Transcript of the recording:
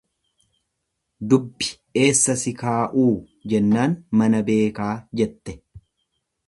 Dubbi eessa si kaa'uu, jennaan mana beekaa jette.